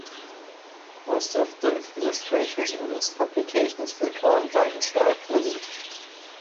Most of the illustrations in his publications were drawn by his wife Olive.